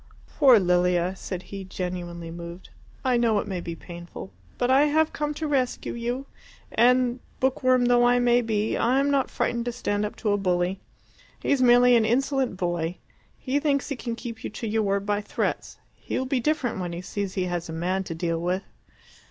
"Poor Lilia," said he, genuinely moved. "I know it may be painful. But I have come to rescue you, and, book worm though I may be, I am not frightened to stand up to a bully. He's merely an insolent boy. He thinks he can keep you to your word by threats. He will be different when he sees he has a man to deal with."